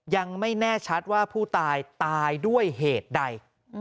ยังไม่แน่ชัดว่าผู้ตายตายด้วยเหตุใด